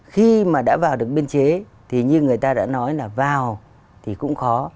khi mà đã vào được biên chế thì như người ta đã nói là vào thì cũng khó